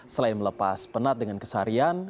selain melepas penat dengan kesarian